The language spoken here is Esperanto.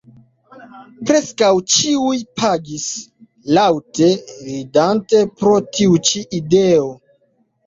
Preskaŭ ĉiuj pagis, laŭte ridante pro tiu ĉi ideo.